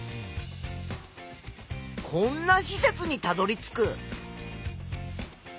こんな施設にたどりつく。